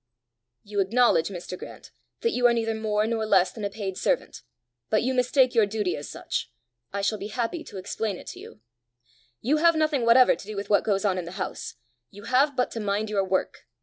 "You acknowledge, Mr. Grant, that you are neither more nor less than a paid servant, but you mistake your duty as such: I shall be happy to explain it to you. You have nothing whatever to do with what goes on in the house; you have but to mind your work.